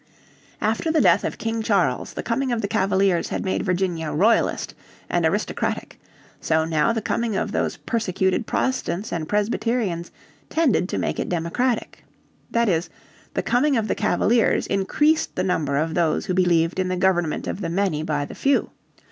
After the death of King Charles the coming of the Cavaliers had made Virginia Royalist and aristocratic, so now the coming of those persecuted Protestants and Presbyterians tended to make it democratic. That is, the coming of the Cavaliers increased the number of those who believed in the government of the many by the few.